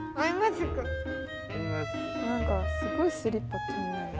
何かすごいスリッパ気になる。